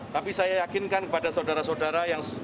tapi saya yakinkan kepada saudara saudara yang malam ini